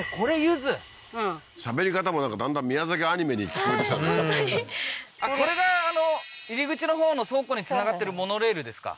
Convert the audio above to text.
うんしゃべり方もなんかだんだん宮崎アニメに聞こえてきたんだけどはい本当にこれが入り口のほうの倉庫につながってるモノレールですか？